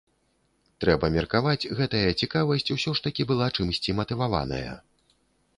Трэба меркаваць, гэтая цікавасць усё ж такі была чымсьці матываваная.